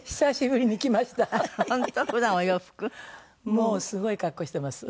もうすごい格好してます。